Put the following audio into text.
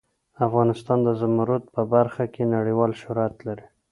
افغانستان د زمرد په برخه کې نړیوال شهرت لري.